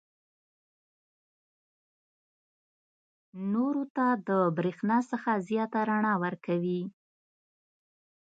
نورو ته د برېښنا څخه زیاته رڼا ورکوي.